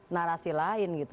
narasi lain gitu